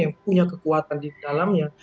yang punya kekuatan di dalamnya